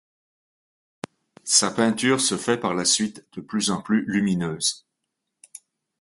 Sa peinture se fait par la suite de plus en plus lumineuse.